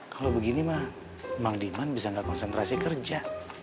kalau begini ma mandiman bisa nggak konsentrasi kerja